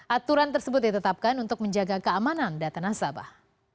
aturan tersebut ditetapkan untuk menjaga keamanan data nasabah